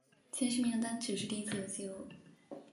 前十名的单曲是第一次的记录。